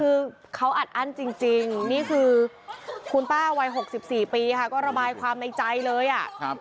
คือเขาอัดอั้นจริงนี่คือคุณป้าวัย๖๔ปีค่ะก็ระบายความในใจเลยอ่ะ